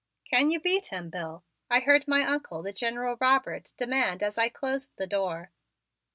"Can you beat him, Bill?" I heard my Uncle, the General Robert, demand as I closed the door.